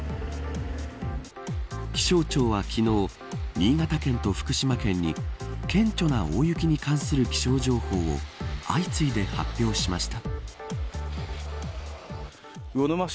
気象庁は昨日新潟県と福島県に顕著な大雪に関する気象情報を相次いで発表しました。